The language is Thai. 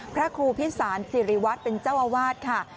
พระครูพิสารสิริวัตรเป็นเจ้าอาวาสค่ะ